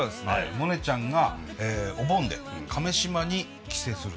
モネちゃんがお盆で亀島に帰省するという。